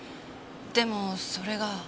でもそれが。